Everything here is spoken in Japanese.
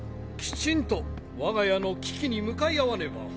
きちんと我が家の危機に向かい合わねば。